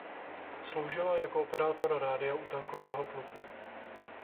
Sloužila jako operátor rádia u tankového pluku.